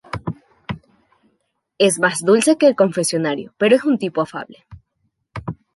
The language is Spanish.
Es más dulces que el confesionario, pero es un tipo afable;..